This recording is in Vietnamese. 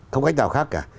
không cách nào khác cả